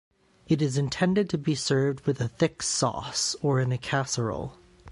It is intended to be served with a thick sauce, or in a casserole.